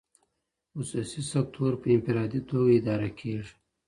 خصوصي سکتور په انفرادي توګه اداره کیږي.